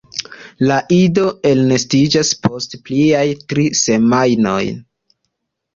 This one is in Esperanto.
La ido elnestiĝas post pliaj tri semajnoj.